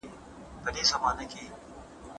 اوس د بل کور دي مېرمني